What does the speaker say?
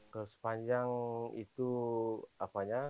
kalau sepanjang itu apanya